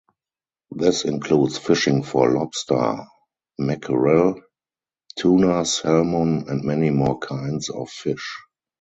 This includes fishing for lobster, mackerel, tuna, salmon and many more kinds of fish.